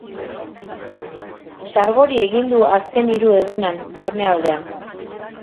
Sargori egin du azken hiru egunan barnealdean.